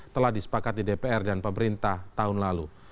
telah disepakat di dpr dan pemerintah tahun lalu